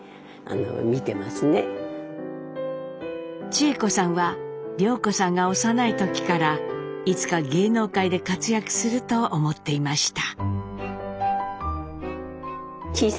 智枝子さんは涼子さんが幼い時からいつか芸能界で活躍すると思っていました。